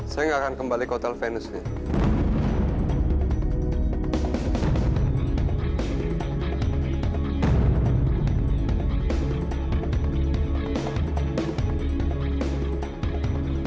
saya gak akan kembali ke hotel venus fit